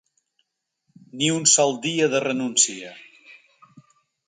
Ni un sol dia de renúncia.